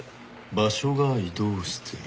場所が移動してる。